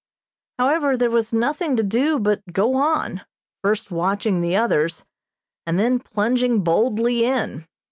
However, there was nothing to do but go on, first watching the others, and then plunging boldly in.